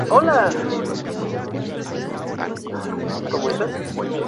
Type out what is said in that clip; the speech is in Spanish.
A su muerte, Gull se había convertido en un hombre de posición económica holgada.